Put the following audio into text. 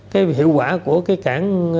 cái hiệu quả của cái cảng